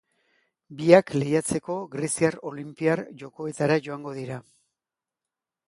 Biak, lehiatzeko, greziar Olinpiar Jokoetara joango dira.